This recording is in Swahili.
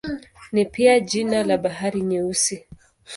Ni pia jina la Bahari Nyeusi.